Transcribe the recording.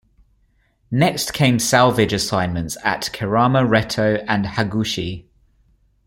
Next came salvage assignments at Kerama Retto and Hagushi.